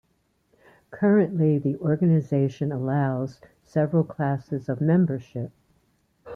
Currently the organization allows several classes of membership.